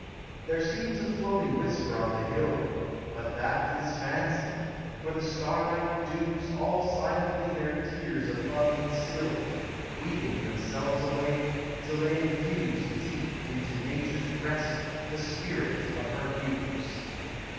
There seems a floating whisper on the hill, But that is fancy ; for the starlight dews All silently their tears of love instil, Weeping themselves away, till they infuse Deep into Nature's breast the spirit of her hues.